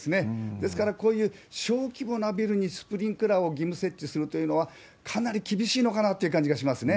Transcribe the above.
ですから、こういう小規模なビルにスプリンクラーを義務設置するというのは、かなり厳しいのかなという感じがしますね。